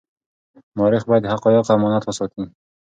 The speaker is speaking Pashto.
مورخ باید د حقایقو امانت وساتي.